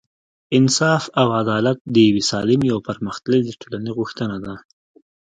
انصاف او عدالت د یوې سالمې او پرمختللې ټولنې غوښتنه ده.